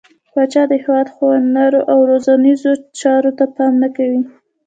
پاچا د هيواد ښونيرو او روزنيزو چارو ته پام نه کوي.